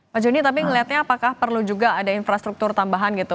pak joni tapi melihatnya apakah perlu juga ada infrastruktur tambahan gitu